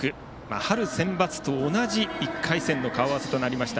春センバツと同じ１回戦の顔合わせとなりました